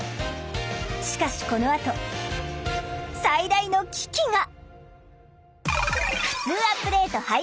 しかしこのあと最大の危機が。